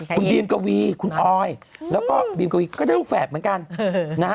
คุณบีมกวีคุณออยแล้วก็บีมกวีก็ได้ลูกแฝดเหมือนกันนะฮะ